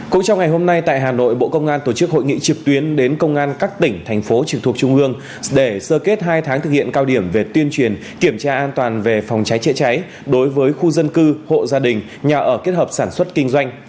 cũng trong ngày hôm nay tại hà nội bộ công an tổ chức hội nghị trực tuyến đến công an các tỉnh thành phố trực thuộc trung ương để sơ kết hai tháng thực hiện cao điểm về tuyên truyền kiểm tra an toàn về phòng cháy chữa cháy đối với khu dân cư hộ gia đình nhà ở kết hợp sản xuất kinh doanh